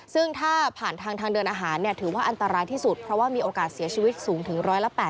ซึ่งถ้าผ่านทางทางเดินอาหารถือว่าอันตรายที่สุดเพราะว่ามีโอกาสเสียชีวิตสูงถึง๑๘๐